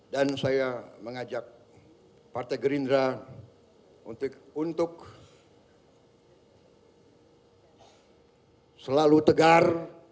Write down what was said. dan saya mengajak partai gerindra untuk selalu tegar